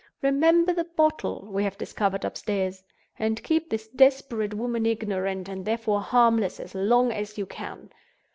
Remember the bottle we have discovered upstairs; and keep this desperate woman ignorant, and therefore harmless, as long as you can.